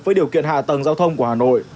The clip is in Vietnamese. với điều kiện hạ tầng giao thông của hà nội